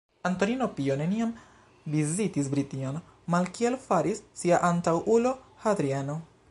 Antonino Pio neniam vizitis Brition, malkiel faris sia antaŭulo Hadriano.